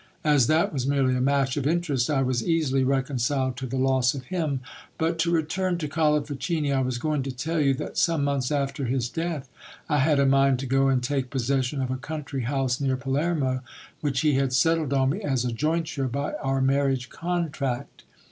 As that was merely a match of interest, I was easily reconciled to the loss of him. But to return to Colifi chini, I was going to tell you, that some months after his death, I had a mind to go and take possession of a country house near Palermo, which he had settled on me as a jointure, by our marriage contract.